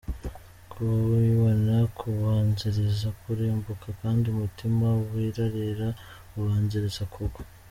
Kwibona kubanziriza kurimbuka kandi umutima wirarira ubanziriza kugwa.